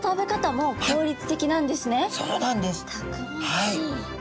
はい。